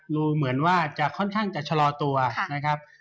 ดูเหมือนว่าจะค่อนข้างจะชะลอตัวนะครับ